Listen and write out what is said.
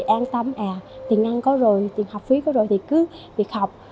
đang tắm à tiền ăn có rồi tiền học phí có rồi thì cứ việc học